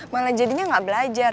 malah jadinya gak belajar